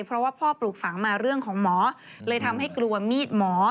เพราะว่าพ่อปลูกฝังมาเรื่องของหมอเลยทำให้กลัวมีดหมอ